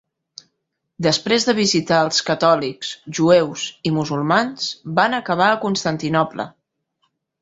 Després de visitar els catòlics, jueus i musulmans, van acabar a Constantinoble.